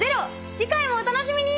次回もお楽しみに！